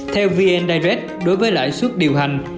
theo vn direct đối với lãi suất điều hành